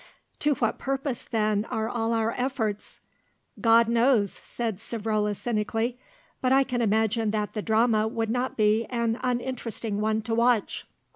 "To what purpose then are all our efforts?" "God knows," said Savrola cynically; "but I can imagine that the drama would not be an uninteresting one to watch."